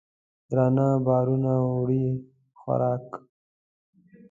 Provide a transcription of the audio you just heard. درانه بارونه وړي خوراک